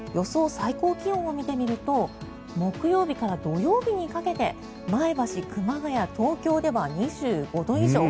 最高気温を見てみると木曜日から土曜日にかけて前橋、熊谷、東京では２５度以上。